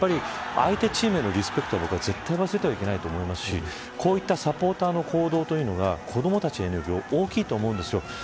相手チームへのリスペクトを絶対忘れてはいけないですしこういったサポーターの行動というのが子どもたちへの影響は大きいです。